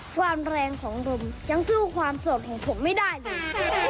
ความแรงของลมยังสู้ความโสดของผมไม่ได้เลย